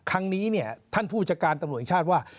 ครั้งนี้เนี่ยท่านผู้จัดการตำรวจแห่งชาติว่า